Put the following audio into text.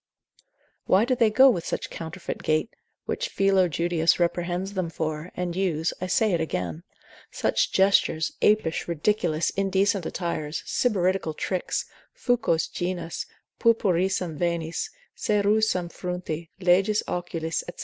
why do they go with such counterfeit gait, which Philo Judeus reprehends them for, and use (I say it again) such gestures, apish, ridiculous, indecent attires, sybaritical tricks, fucos genis, purpurissam venis, cerussam fronti, leges occulis, &c.